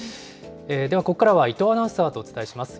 ではここからは伊藤アナウンサーとお伝えします。